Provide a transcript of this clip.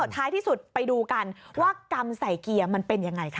ท้ายที่สุดไปดูกันว่ากรรมใส่เกียร์มันเป็นยังไงค่ะ